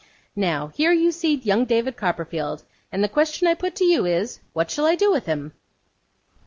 Now, here you see young David Copperfield, and the question I put to you is, what shall I do with him?